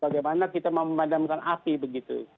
bagaimana kita memadamkan api begitu